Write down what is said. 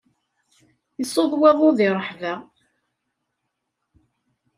Isuḍ waḍu di ṛṛeḥba.